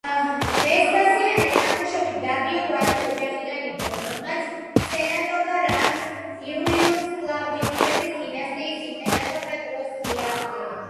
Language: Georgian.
ვესპასიანე წარმოშობით მდაბიო გვარის ოჯახიდან იყო, რომელმაც სენატორთა რანგს იულიუს-კლავდიუსების დინასტიის იმპერატორთა დროს მიაღწია.